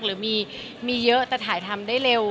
หรือมีเยอะแต่ถ่ายทำได้เร็ว